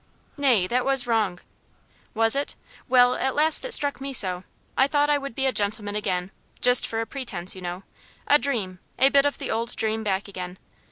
"Nay, that was wrong." "Was it? Well, at last it struck me so. I thought I would be a gentleman again just for a pretence, you know a dream a bit of the old dream back again.